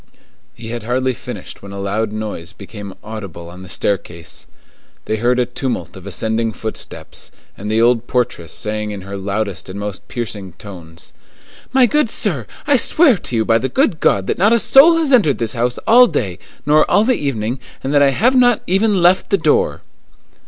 He had hardly finished when a loud noise became audible on the staircase. They heard a tumult of ascending footsteps, and the old portress saying in her loudest and most piercing tones:— "My good sir, I swear to you by the good God, that not a soul has entered this house all day, nor all the evening, and that I have not even left the door."